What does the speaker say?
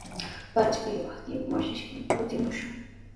Pacha quyaptinmi wasinchikman kutimushun.